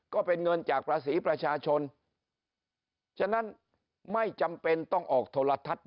ก็เป็นเงินจากภาษีประชาชนฉะนั้นไม่จำเป็นต้องออกโทรทัศน์